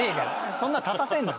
そんな立たせるな。